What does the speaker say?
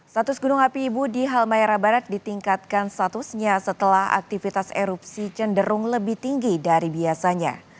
status gunung api ibu di halmahera barat ditingkatkan statusnya setelah aktivitas erupsi cenderung lebih tinggi dari biasanya